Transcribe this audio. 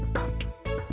tarik nomor kebetulan